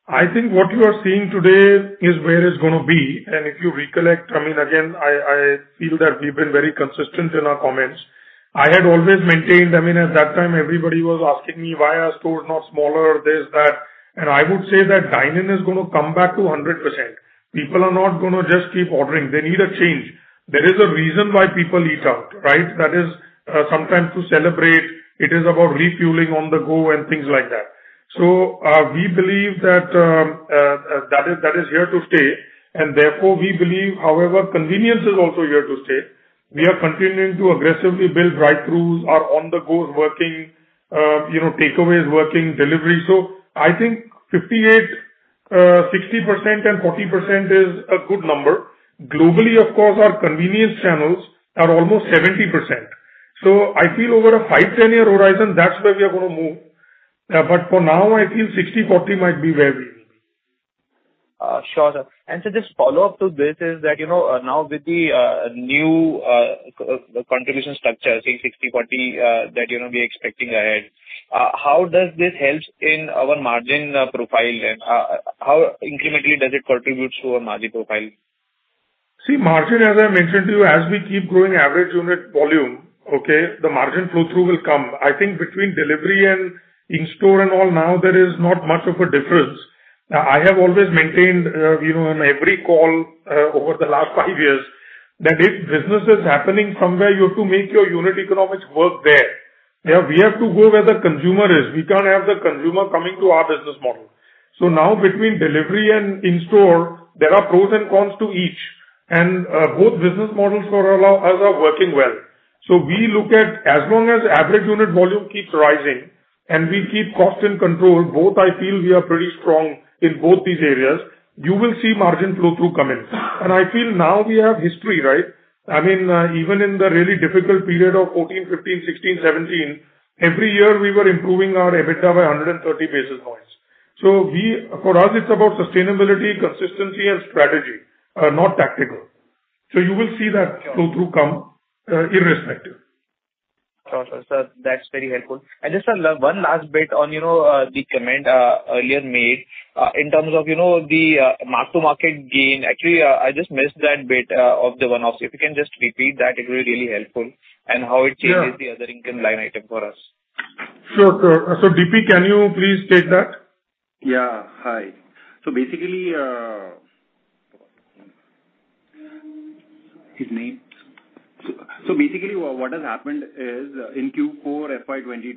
I think what you are seeing today is where it's gonna be. If you recollect, I mean, again, I feel that we've been very consistent in our comments. I had always maintained, I mean, at that time everybody was asking me, "Why are stores not smaller?" This, that. I would say that dine-in is gonna come back to 100%. People are not gonna just keep ordering. They need a change. There is a reason why people eat out, right? That is, sometimes to celebrate. It is about refueling on the go and things like that. We believe that that is here to stay and therefore we believe, however, convenience is also here to stay. We are continuing to aggressively build drive-throughs, our on-the-go is working, you know, takeaway is working, delivery. I think 58, 60% and 40% is a good number. Globally, of course, our convenience channels are almost 70%. I feel over a 5-10-year horizon, that's where we are gonna move. For now, I feel 60/40 might be where we will be. Sure, sir. Just follow up to this is that, you know, now with the new contribution structure, say 60/40, that, you know, we're expecting ahead, how does this helps in our margin profile and, how incrementally does it contribute to our margin profile? See margin, as I mentioned to you, as we keep growing average unit volume, the margin flow-through will come. I think between delivery and in-store and all now, there is not much of a difference. Now, I have always maintained, you know, on every call, over the last five years that if business is happening from where you have to make your unit economics work there. Yeah, we have to go where the consumer is. We can't have the consumer coming to our business model. Now between delivery and in-store, there are pros and cons to each. Both business models for all of us are working well. We look at as long as average unit volume keeps rising and we keep cost in control, both I feel we are pretty strong in both these areas, you will see margin flow-through come in. I feel now we have history, right? I mean, even in the really difficult period of 2014, 2015, 2016, 2017, every year, we were improving our EBITDA by 130 basis points. For us, it's about sustainability, consistency and strategy, not tactical. You will see that flow-through come, irrespective. Sure, sir. That's very helpful. Just one last bit on the comment earlier made in terms of the mark-to-market gain. Actually, I just missed that bit of the one-off. If you can just repeat that, it'll be really helpful and how it changes. Yeah. The other income line item for us. Sure, sure. DP, can you please take that? Hi. Basically, what has happened is in Q4 FY 2022,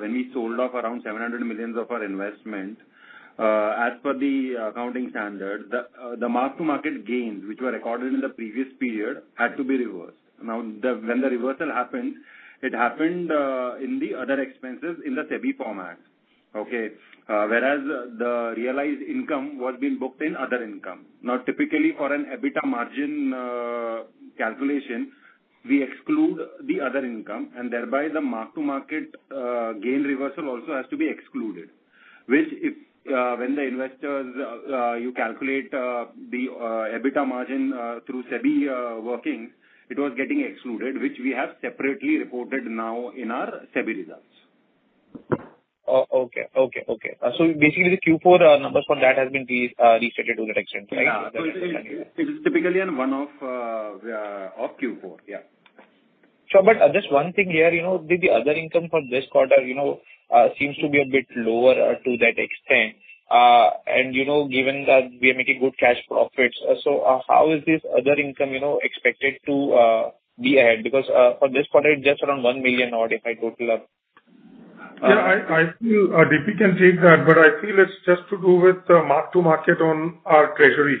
when we sold off around 700 million of our investment, as per the accounting standard, the mark-to-market gains, which were recorded in the previous period, had to be reversed. Now, when the reversal happened, it happened in the other expenses in the SEBI format. Okay. Whereas the realized income was being booked in other income. Now, typically, for an EBITDA margin calculation, we exclude the other income, and thereby the mark-to-market gain reversal also has to be excluded, which, when the investors calculate the EBITDA margin through SEBI working, it was getting excluded, which we have separately reported now in our SEBI results. Oh, okay. Basically the Q4 numbers from that has been restated to that extent, right? Yeah. It is typically in Q4. Yeah. Sure. Just one thing here, you know, with the other income for this quarter, you know, seems to be a bit lower, to that extent. You know, given that we are making good cash profits, so, how is this other income, you know, expected to be ahead? Because, for this quarter, it's just around 1 million odd if I total up. Yeah, I feel DP can take that, but I feel it's just to do with the mark-to-market on our treasury.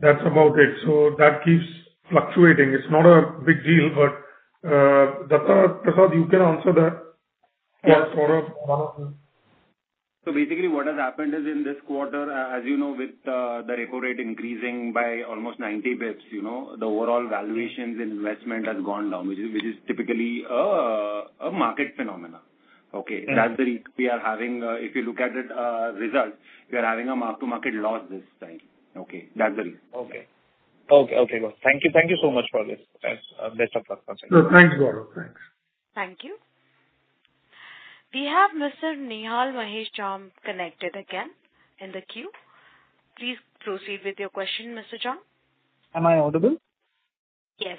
That's about it. That keeps fluctuating. It's not a big deal, but Datta Prasad, you can answer that. Yeah. Gaurav, one of you. Basically what has happened is in this quarter, as you know, with the repo rate increasing by almost 90 basis points, you know, the overall valuations in investment has gone down, which is typically a market phenomena. Okay? If you look at the results, we are having a mark-to-market loss this time. Okay. That's the reason. Okay, got it. Thank you so much for this. Best of luck for it. No, thanks, Gaurav. Thanks. Thank you. We have Mr. Nihal Mahesh Jham connected again in the queue. Please proceed with your question, Mr. Jham. Am I audible? Yes.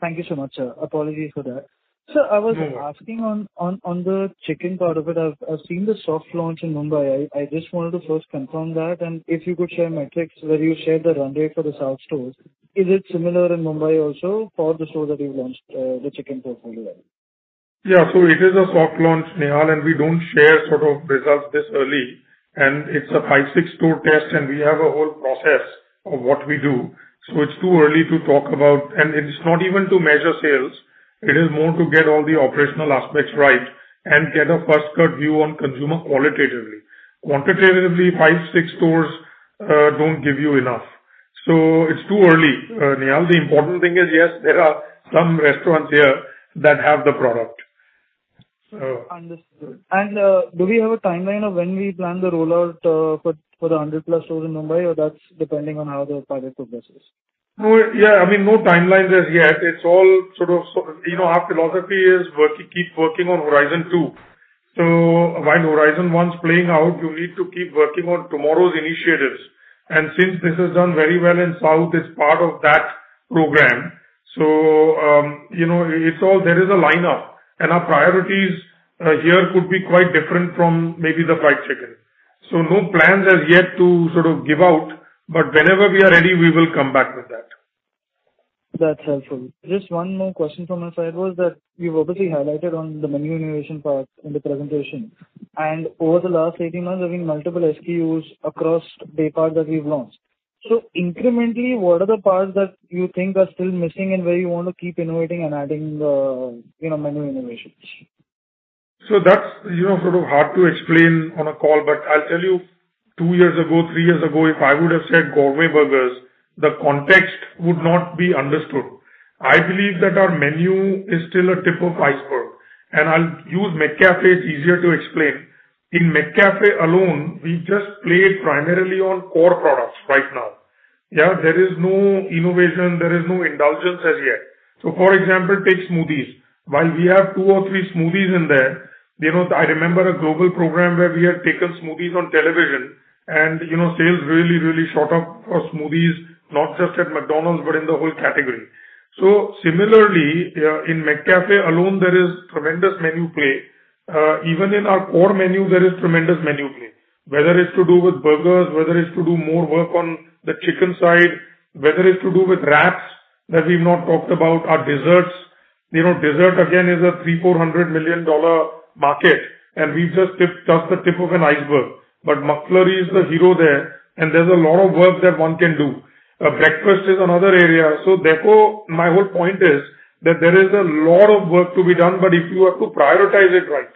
Thank you so much, sir. Apologies for that. Sir, I was asking on the chicken part of it. I've seen the soft launch in Mumbai. I just wanted to first confirm that, and if you could share metrics, whether you shared the run rate for the south stores. Is it similar in Mumbai also for the store that you've launched, the chicken portfolio? Yeah. It is a soft launch, Nihal, and we don't share sort of results this early, and it's a 5 to 6-store test, and we have a whole process of what we do. It's too early to talk about. It's not even to measure sales. It is more to get all the operational aspects right and get a first cut view on consumer qualitatively. Quantitatively, 5 to 6 stores don't give you enough. It's too early, Nihal. The important thing is, yes, there are some restaurants here that have the product. Understood. Do we have a timeline of when we plan the rollout for the 100+ stores in Mumbai, or that's depending on how the pilot progresses? No. Yeah, I mean, no timelines as yet. It's all sort of. You know, our philosophy is work, keep working on horizon two. While horizon one's playing out, you need to keep working on tomorrow's initiatives. Since this has done very well in South, it's part of that program. You know, it's all, there is a lineup, and our priorities here could be quite different from maybe the fried chicken. No plans as yet to sort of give out, but whenever we are ready, we will come back with that. That's helpful. Just one more question from my side was that you've obviously highlighted on the menu innovation part in the presentation. Over the last 18 months, there have been multiple SKUs across daypart that we've launched. So incrementally, what are the parts that you think are still missing and where you want to keep innovating and adding the, you know, menu innovations? That's, you know, sort of hard to explain on a call. I'll tell you, two years ago, three years ago, if I would have said gourmet burgers, the context would not be understood. I believe that our menu is still a tip of the iceberg. I'll use McCafé. It's easier to explain. In McCafé alone, we just played primarily on core products right now. Yeah, there is no innovation, there is no indulgence as yet. For example, take smoothies. While we have two or three smoothies in there, you know, I remember a global program where we had taken smoothies on television and, you know, sales really shot up for smoothies, not just at McDonald's, but in the whole category. Similarly, in McCafé alone, there is tremendous menu play. Even in our core menu, there is tremendous menu play. Whether it's to do with burgers, whether it's to do more work on the chicken side, whether it's to do with wraps that we've not talked about, our desserts. You know, dessert again is a $300 to 400 million market, and we've just touched the tip of an iceberg. McFlurry is the hero there and there's a lot of work that one can do. Breakfast is another area. Therefore, my whole point is that there is a lot of work to be done, but if you have to prioritize it right,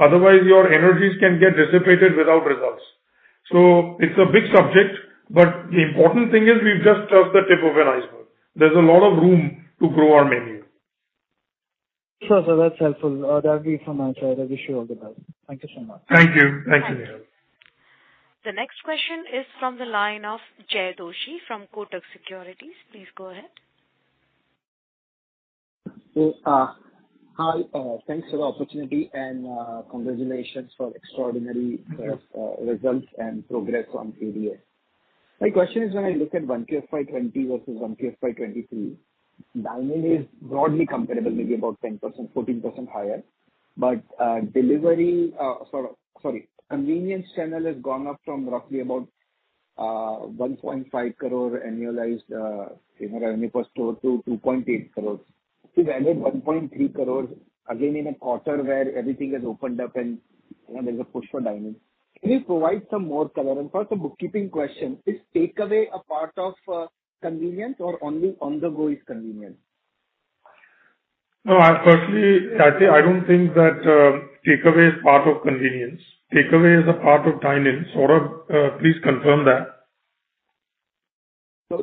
otherwise your energies can get dissipated without results. It's a big subject, but the important thing is we've just touched the tip of an iceberg. There's a lot of room to grow our menu. Sure, sir, that's helpful. That'll be it from my side. I wish you all the best. Thank you so much. Thank you. Thanks, Nihal. The next question is from the line of Jay Doshi from Kotak Securities. Please go ahead. Hi, thanks for the opportunity and congratulations for extraordinary results and progress on QSR. My question is, when I look at 1QFY20 versus 1QFY23, dine-in is broadly comparable, maybe about 10%, 14% higher. Delivery. Sorry, convenience channel has gone up from roughly about 1.5 crore annualized, you know, revenue per store to 2.8 crores. It's added 1.3 crores again in a quarter where everything has opened up and, you know, there's a push for dine-in. Can you provide some more color? First a bookkeeping question, is takeaway a part of convenience or only on-the-go is convenience? No, I personally, I think, I don't think that takeaway is part of convenience. Takeaway is a part of dine-in. Saurabh, please confirm that.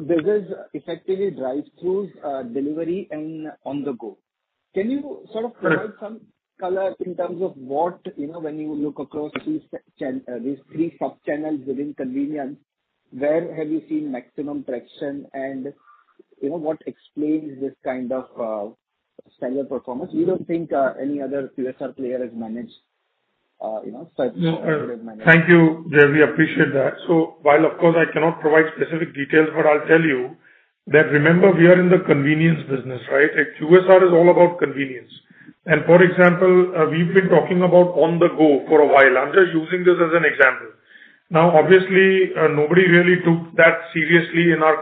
This is effectively drive-throughs, delivery and on-the-go. Can you sort of provide some color in terms of what, you know, when you look across these three sub-channels within convenience, where have you seen maximum traction and, you know, what explains this kind of stellar performance? We don't think any other QSR player has managed, you know, such No, thank you, Jay. We appreciate that. While of course I cannot provide specific details, I'll tell you that remember we are in the convenience business, right? QSR is all about convenience. For example, we've been talking about on-the-go for a while. I'm just using this as an example. Now obviously, nobody really took that seriously in our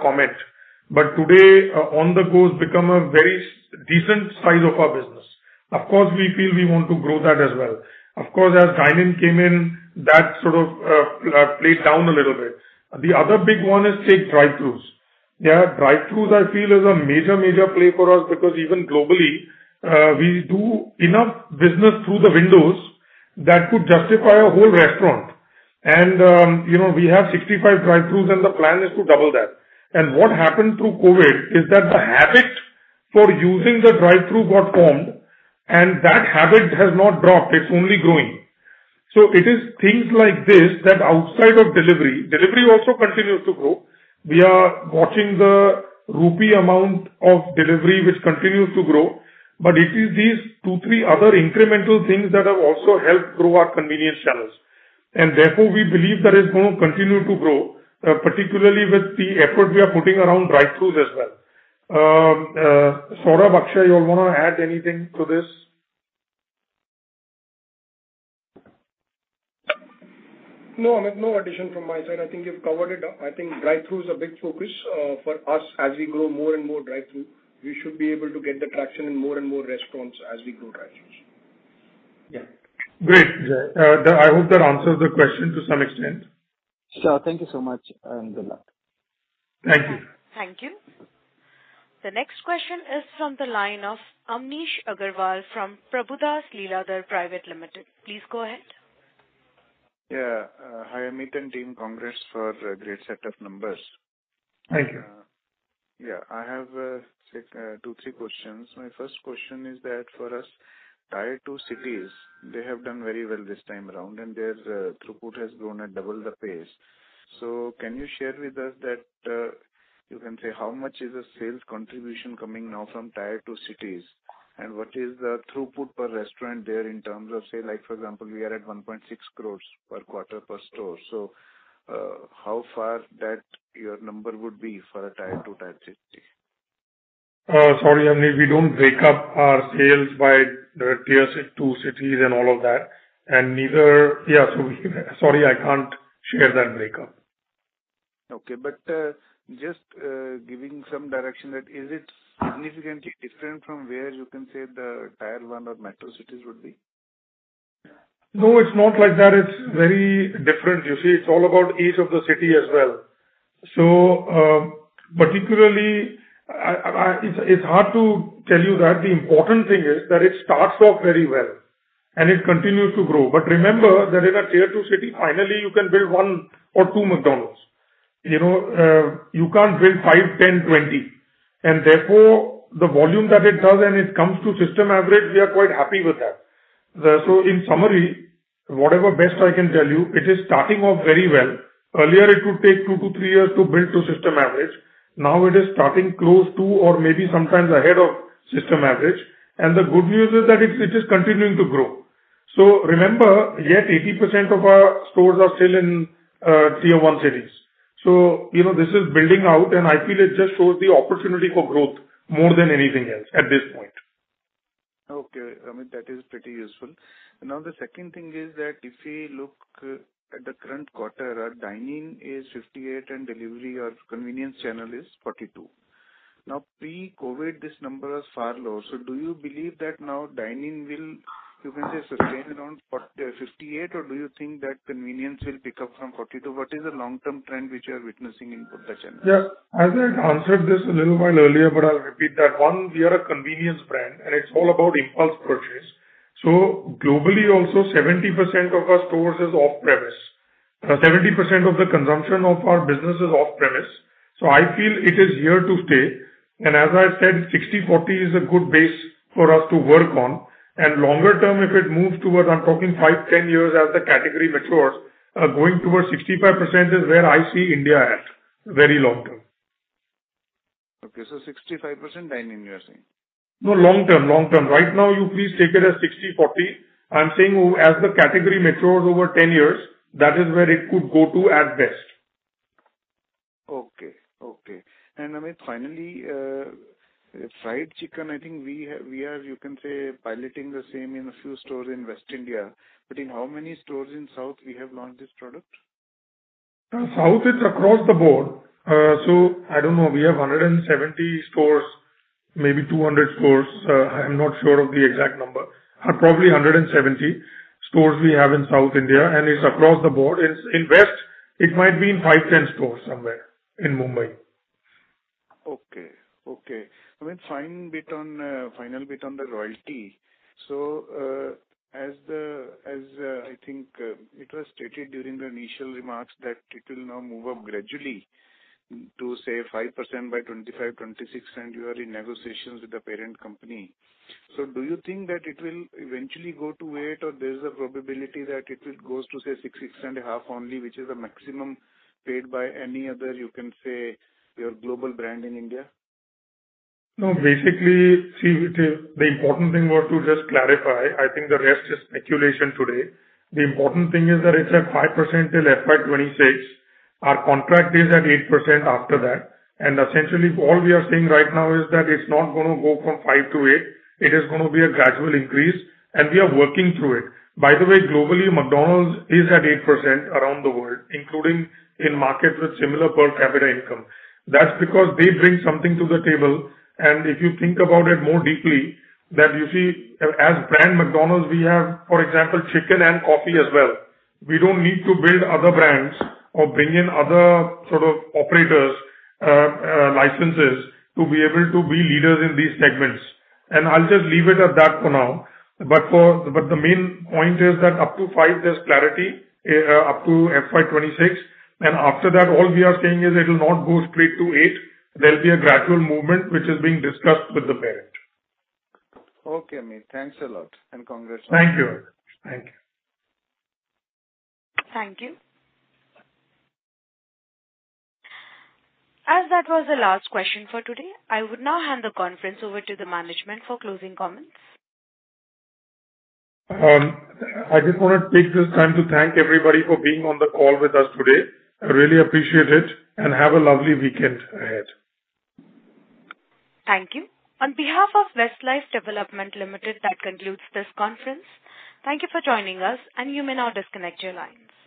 context. Today on-the-go has become a very decent size of our business. Of course, we feel we want to grow that as well. Of course, as dine-in came in that sort of played down a little bit. The other big one is takeaways and drive-throughs. Yeah, drive-throughs I feel is a major play for us because even globally, we do enough business through the windows that could justify a whole restaurant. You know, we have 65 drive-throughs and the plan is to double that. What happened through COVID is that the habit for using the drive-through got formed and that habit has not dropped. It's only growing. It is things like this that outside of delivery. Delivery also continues to grow. We are watching the rupee amount of delivery which continues to grow. It is these two, three other incremental things that have also helped grow our convenience channels. Therefore we believe that is going to continue to grow, particularly with the effort we are putting around drive-throughs as well. Saurabh, Akshay, y'all wanna add anything to this? No, Amit, no addition from my side. I think you've covered it. I think drive-through is a big focus for us. As we grow more and more drive-through, we should be able to get the traction in more and more restaurants as we grow drive-throughs. Yeah. Great, Jay. I hope that answers the question to some extent. Sure. Thank you, so much and good luck. Thank you. Thank you. The next question is from the line of Amnish Aggarwal from Prabhudas Lilladher Private Limited. Please go ahead. Yeah. Hi Amit and team. Congrats for a great set of numbers. Thank you. Yeah. Yeah, I have, say, two, three questions. My first question is that for Tier 2 cities, they have done very well this time around and their throughput has grown at double the pace. Can you share with us that, you can say, how much is the sales contribution coming now from Tier 2 cities and what is the throughput per restaurant there in terms of, say, like, for example, we are at 1.6 crores per quarter per store. How far that your number would be for a Tier 2 type city? Sorry, Amnish, we don't break up our sales by the Tier 2 cities and all of that. Neither, so sorry, I can't share that breakup. Just giving some direction that is it significantly different from where you can say the tier one or metro cities would be? No, it's not like that. It's very different. You see, it's all about ease in the city as well. Particularly, it's hard to tell you that the important thing is that it starts off very well and it continues to grow. Remember that in a Tier 2 city, finally you can build one or two McDonald's. You know, you can't build five, 10, 20. Therefore, the volume that it does, and it comes to system average, we are quite happy with that. In summary, whatever best I can tell you, it is starting off very well. Earlier it would take two to three years to build to system average. Now it is starting close to or maybe sometimes ahead of system average. The good news is that it is continuing to grow. Remember, yet 80% of our stores are still in Tier 1 cities. You know, this is building out, and I feel it just shows the opportunity for growth more than anything else at this point. Okay. Amit, that is pretty useful. Now, the second thing is that if we look at the current quarter, our dine-in is 58% and delivery or convenience channel is 42%. Now, pre-COVID, this number was far lower. Do you believe that now dine-in will, you can say, sustain around 58%, or do you think that convenience will pick up from 42%? What is the long-term trend which you are witnessing in both the channels? Yeah. As I answered this a little while earlier, but I'll repeat that. One, we are a convenience brand, and it's all about impulse purchase. Globally also 70% of our stores is off-premise. Seventy percent of the consumption of our business is off-premise. I feel it is here to stay. As I said, 60/40 is a good base for us to work on. Longer term, if it moves toward, I'm talking 5, 10 years as the category matures, going towards 65% is where I see India at very long term. Okay. 65% dine-in, you are saying? No, long term. Right now you please take it as 60/40. I'm saying as the category matures over 10 years, that is where it could go to at best. Amit, finally, fried chicken, I think we are, you can say, piloting the same in a few stores in West India. But in how many stores in South we have launched this product? South, it's across the board. I don't know. We have 170 stores, maybe 200 stores. I'm not sure of the exact number. Probably 170 stores we have in South India, and it's across the board. It's in West, it might be in 5, 10 stores somewhere in Mumbai. Amit, final bit on the royalty. As I think it was stated during the initial remarks that it will now move up gradually to, say, 5% by 2025, 2026, and you are in negotiations with the parent company. Do you think that it will eventually go to 8%, or there's a probability that it will goes to, say, 6%, 6.5% only, which is the maximum paid by any other, you can say, your global brand in India? No. Basically, see, it, the important thing was to just clarify. I think the rest is speculation today. The important thing is that it's at 5% till FY 2026. Our contract is at 8% after that. Essentially all we are saying right now is that it's not gonna go from 5 to 8%. It is gonna be a gradual increase, and we are working through it. By the way, globally McDonald's is at 8% around the world, including in markets with similar per capita income. That's because they bring something to the table. If you think about it more deeply, that you see, as brand McDonald's, we have, for example, chicken and coffee as well. We don't need to build other brands or bring in other sort of operators, licenses to be able to be leaders in these segments. I'll just leave it at that for now. The main point is that up to five, there's clarity up to FY 2026. After that, all we are saying is it'll not go straight to 8. There'll be a gradual movement which is being discussed with the parent. Okay, Amit. Thanks a lot, and congratulations. Thank you. Thank you. Thank you. As that was the last question for today, I would now hand the conference over to the management for closing comments. I just wanna take this time to thank everybody for being on the call with us today. I really appreciate it and have a lovely weekend ahead. Thank you. On behalf of Westlife Foodworld Limited, that concludes this conference. Thank you for joining us, and you may now disconnect your lines.